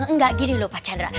nggak gini lho pak chandra